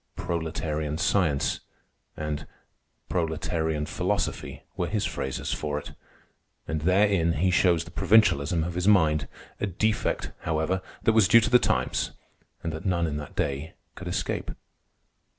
"Proletarian science" and "proletarian philosophy" were his phrases for it, and therein he shows the provincialism of his mind—a defect, however, that was due to the times and that none in that day could escape.